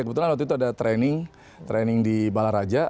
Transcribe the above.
kebetulan waktu itu ada training training di bala raja